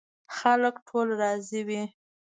خلک ټول راضي وي.